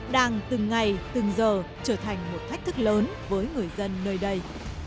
đang từng ngày từng giờ trở thành một thách thức lớn với người dân nơi đây